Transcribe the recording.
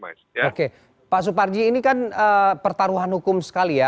oke pak suparji ini kan pertaruhan hukum sekali ya